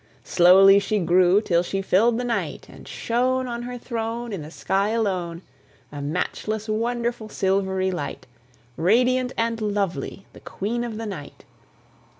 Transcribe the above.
Slowly she grew till she filled the night, And shone On her throne In the sky alone, A matchless, wonderful silvery light, Radiant and lovely, the queen of the night.